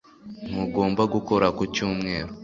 Ntugomba gukora ku cyumweru